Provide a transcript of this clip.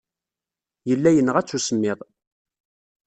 Yella yenɣa-tt usemmiḍ.